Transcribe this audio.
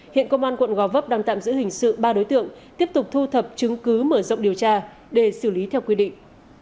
hiện công an quận gò vấp đang tạm giữ hình sự ba đối tượng tiếp tục thu thập chứng cứ mở rộng điều tra để xử lý theo quy định